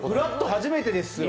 初めてですよ。